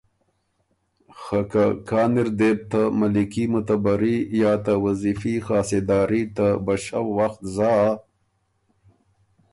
خه که کان اِر دې بُو ته ملیکي معتبري یا ته وظیفي خاسېداري ته بشؤ وخت زا